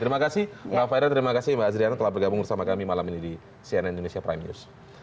terima kasih mbak faira terima kasih mbak azriana telah bergabung bersama kami malam ini di cnn indonesia prime news